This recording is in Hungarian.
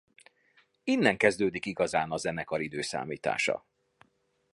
Innen kezdődik igazán a zenekar időszámítása.